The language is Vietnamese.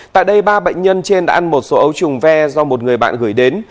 tại đây ba bệnh nhân trên đã ăn một số ấu trùng ve do một người bạn gửi đến